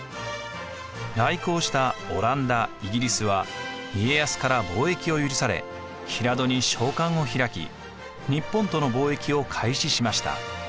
来航したオランダ・イギリスは家康から貿易を許され平戸に商館を開き日本との貿易を開始しました。